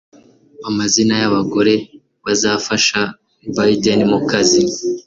amazina y'abagore bazafasha Biden mu kazi